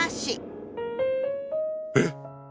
えっ？